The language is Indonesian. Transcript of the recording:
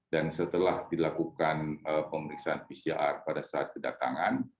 dan setelah dilakukan pemeriksaan pcr pada saat kedatangan